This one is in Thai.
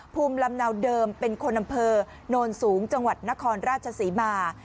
ภูมิลำเนาเดิมเป็นคนอำเภอโนนสูงจังหวัดนครราชศรีมา